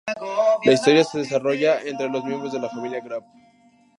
La historia se desarrolla entre los miembros de la familia Grove.